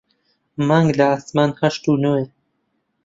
مانگ لە ئاسمان هەشت و نۆیە